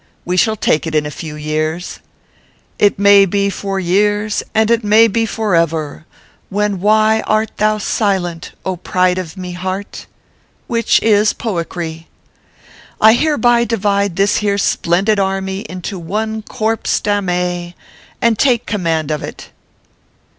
We shall take it in a few years :" 1C may be for years and it may be for ever, Then why art thou silent, pride of mo heart. which is poickry. I hereby divide this here splendid army into one corpse, dammee, and take command of it."